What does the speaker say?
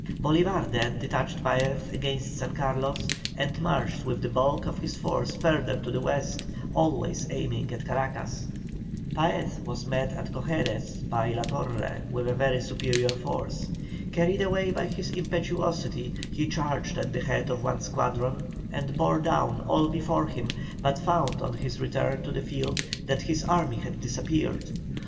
Bolívar then detached Paez against San Carlos, and marched with the bulk of his force further to the West, always aiming at Caracas. Paez was met at Cojedes by La Torre with a very superior force. Carried away by his impetuosity, he charged at the head of one squadron, and bore down all before him, but found on his return to the field that his army had disappeared.